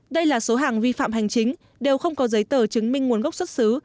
đây là số hàng vi phạm hành chính đều không có giấy tờ chứng minh nguồn gốc xuất xứ